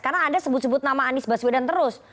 karena anda sebut sebut nama anies baswedan terus